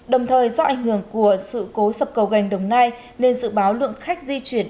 đồng thời do ảnh hưởng của sự cố sập cầu gành đồng nai nên dự báo lượng khách di chuyển